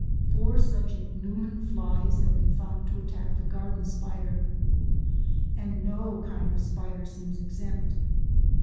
Four such Ichneumon flies have been found to attack the garden spider, and no kind of spider seems exempt.